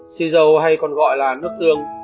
xì dầu hay còn gọi là nước tương